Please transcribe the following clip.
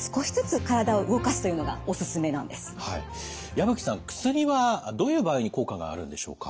矢吹さん薬はどういう場合に効果があるんでしょうか？